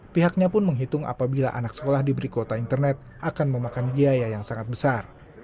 pihaknya pun menghitung apabila anak sekolah diberi kuota internet akan memakan biaya yang sangat besar